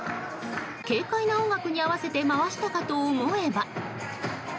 軽快な音楽に合わせて回したかと思えば。